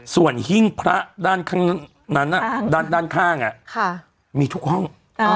ส่วนหิ้งพระด้านข้างนั้นน่ะด้านด้านข้างอ่ะค่ะมีทุกห้อง